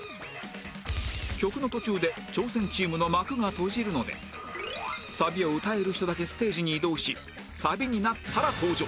曲の途中で挑戦チームの幕が閉じるのでサビを歌える人だけステージに移動しサビになったら登場